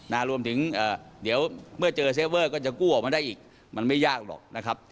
รวมถึงเอ่อเดี๋ยวเมื่อเจอเซเวอร์ก็จะกู้ออกมาได้อีกมันไม่ยากหรอกนะครับ